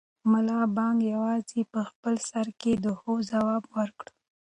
ملا بانګ یوازې په خپل سر کې د هو ځواب ورکړ.